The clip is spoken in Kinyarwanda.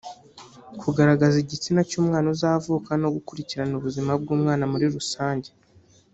kugaragaza igitsina cy’umwana uzavuka no gukurikirana ubuzima bw’umwana muri rusange